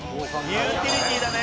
「ユーティリティーだね」